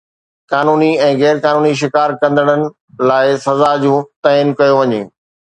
قانوني ۽ غير قانوني شڪار ڪندڙن لاءِ سزا جو تعين ڪيو وڃي